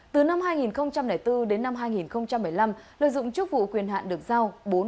từ năm hai nghìn bốn đến năm hai nghìn một mươi năm lợi dụng chức vụ quyền hạn được giao